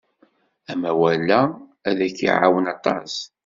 Amawal-a ad k-iɛawen aṭas.